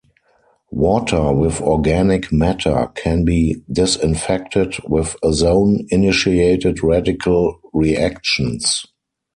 Water with organic matter can be disinfected with ozone-initiated radical reactions.